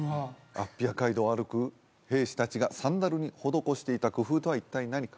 アッピア街道を歩く兵士達がサンダルに施していた工夫とは一体何か？